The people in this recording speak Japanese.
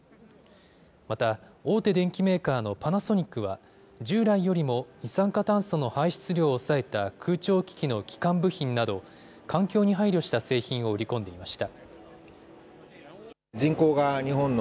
また、大手電機メーカーのパナソニックは、従来よりも二酸化炭素の排出量を抑えた空調機器の基幹部品など、環境に配慮した製品を売り込んでいました。